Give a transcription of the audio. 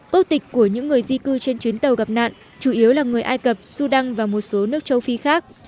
ước tịch của những người di cư trên chuyến tàu gặp nạn chủ yếu là người ai cập sudan và một số nước châu phi khác